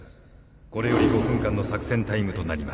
これより５分間の作戦タイムとなります。